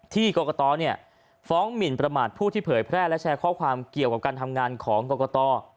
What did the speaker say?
ที่กรกตฟ้องหมินประมาทผู้ที่เผยแพร่และแชร์ข้อความเกี่ยวกับการทำงานของกรกต